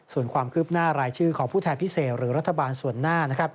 ส่วนความคืบหน้ารายชื่อของผู้แทนพิเศษหรือรัฐบาลส่วนหน้า